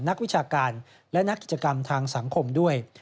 นักวิชาการและนักกิจกรรมทางสังคมด้วย